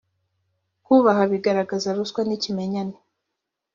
kubaha bigaragaza ruswa ni ikimenyane